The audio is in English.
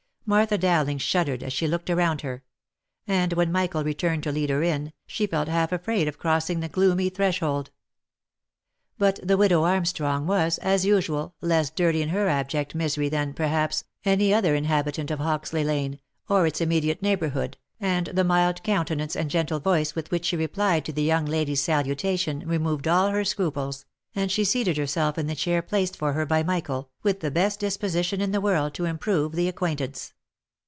Martha Dowling shuddered as she looked around her ; and when Michael returned to lead her in, she felt half afraid of crossing the gloomy threshold. But the widow Armstrong was, as usual, less dirty in her abject misery than, perhaps, any other inhabitant of Hoxley lane, or its im mediate neighbourhood, and the mild countenance and gentle voice with which she replied to the young lady's salutation removed all her scruples, and she seated herself in the chair placed for her by Michael, with the best disposition in the world to improve the acquaintance.